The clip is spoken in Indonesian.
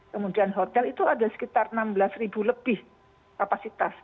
kemudian hotel itu ada sekitar enam belas ribu lebih kapasitas